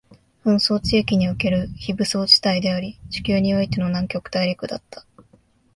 紛争地域における非武装地帯であり、地球においての南極大陸だった